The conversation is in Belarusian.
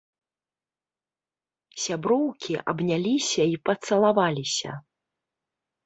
Сяброўкі абняліся і пацалаваліся.